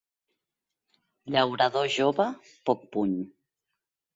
Llaurador jove, poc puny.